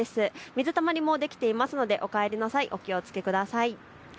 水たまりもできているのでお帰りの際、お気をつけください。